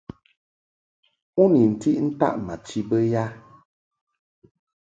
U ni ntiʼ ntaʼ ma chi bə ya ?